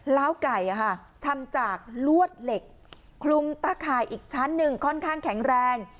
ล้าวไก่ทำจากลวดเหล็กคลุมตะข่ายอีกชั้นหนึ่งค่อนข้างแข็งแรง